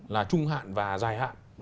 là trung hạn và dài hạn